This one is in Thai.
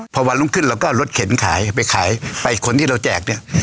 พอวันรุ่งขึ้นเราก็เอารถเข็นขายไปขายไปคนที่เราแจกเนี่ย